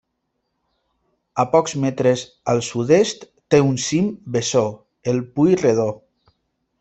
A pocs metres al sud-est té un cim bessó, el Pui Redó.